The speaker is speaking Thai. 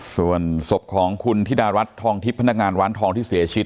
ส่วนศพของคุณธิดารัฐทองทิพย์พนักงานร้านทองที่เสียชีวิต